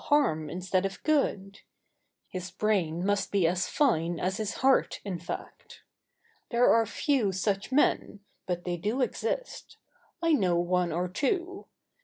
] harm instead of good his brain must be as fine as his heart, in fact. There are few such men; but they do exist. I know one or two.